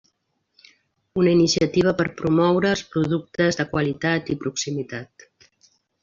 Una iniciativa per promoure els productes de qualitat i proximitat.